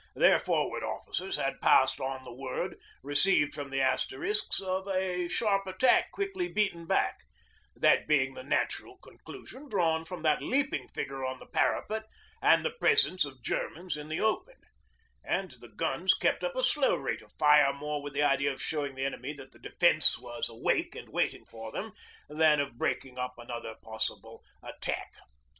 Their Forward Officers had passed on the word received from the Asterisks of a sharp attack quickly beaten back that being the natural conclusion drawn from that leaping figure on the parapet and the presence of Germans in the open and the guns kept up a slow rate of fire more with the idea of showing the enemy that the defence was awake and waiting for them than of breaking up another possible attack.